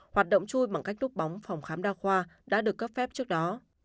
hoạt động chui bằng cách núp bóng phòng khám đa khoa đã được cấp phép trước đó